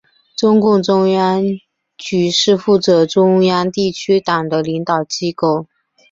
中共中央中原局是负责中央地区的党的领导机构。